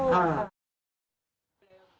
ค่ะหนูขอโทษครับ